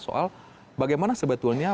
soal bagaimana sebetulnya